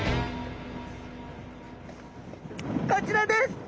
こちらです。